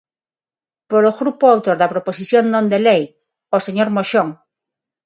Polo grupo autor da proposición non de lei, o señor Moxón.